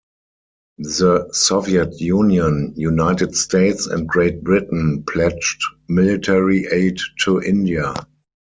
The Soviet Union, United States, and Great Britain pledged military aid to India.